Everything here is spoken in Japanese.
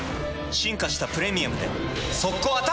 進化した「プレミアム」で速攻アタック！